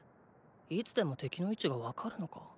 いつでも敵の位置が分かるのか？